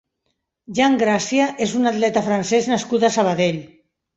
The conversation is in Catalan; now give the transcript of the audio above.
Jean Gracia és un atleta francès nascut a Sabadell.